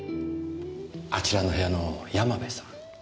あちらの部屋の山部さん